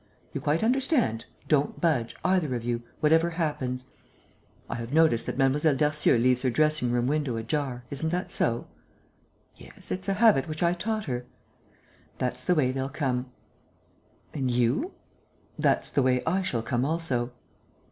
You quite understand, don't budge, either of you, whatever happens. I have noticed that Mlle. Darcieux leaves her dressing room window ajar, isn't that so?" "Yes, it's a habit which I taught her." "That's the way they'll come." "And you?" "That's the way I shall come also."